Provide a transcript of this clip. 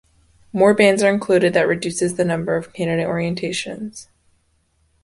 More bands are included that reduces the number of candidate orientations.